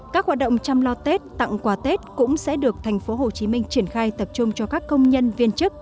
các hoạt động chăm lo tết tặng quà tết cũng sẽ được tp hcm triển khai tập trung cho các công nhân viên chức